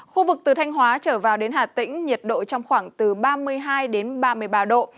khu vực từ thanh hóa trở vào đến hà tĩnh nhiệt độ trong khoảng từ ba mươi hai ba mươi ba độ